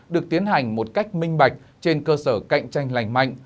được tiến hành một cách minh bạch trên cơ sở cạnh tranh lành mạnh